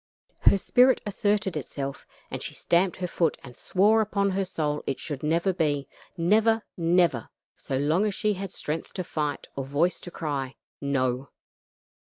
Her spirit asserted itself, and she stamped her foot and swore upon her soul it should never be; never! never! so long as she had strength to fight or voice to cry, "No."